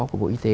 của bộ y tế